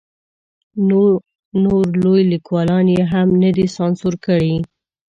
نو نور لوی لیکوالان یې هم نه دي سانسور کړي.